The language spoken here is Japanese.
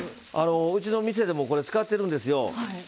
うちの店でもこれ、使ってるんですよ。